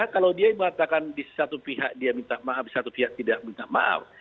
kalau dia mengatakan di satu pihak dia minta maaf di satu pihak tidak minta maaf